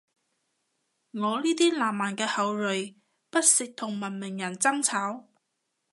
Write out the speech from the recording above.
我呢啲南蠻嘅後裔，不屑同文明人爭吵